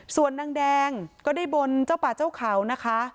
ส่วนนางแดงก็ได้บนเจ้าป่าเจ้าเขานะคะ